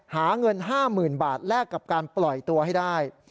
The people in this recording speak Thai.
หาเงิน๕๐๐๐บาทแลกกับการปล่อยตัวให้ได้